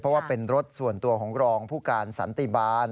เพราะว่าเป็นรถส่วนตัวของรองผู้การสันติบาล